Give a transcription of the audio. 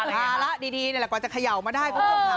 ภาระดีกว่าจะเขย่ามาได้